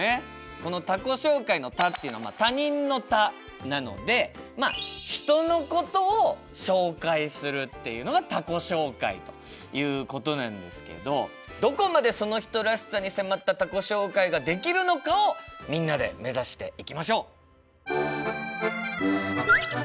この「他己紹介」の「他」っていうのは「他人」の「他」なのでまあ人のことを紹介するっていうのが他己紹介ということなんですけどどこまでその人らしさに迫った他己紹介ができるのかをみんなで目指していきましょう！